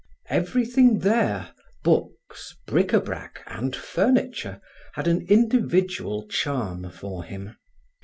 Everything there, books, bric a brac and furniture, had an individual charm for him.